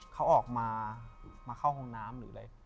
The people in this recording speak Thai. เขาออกมาเข้าห้องน้ำหรืออะไร